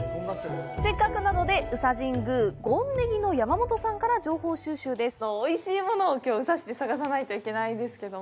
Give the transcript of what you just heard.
せっかくなので宇佐神宮・権禰宜の山本さんから情報収集です。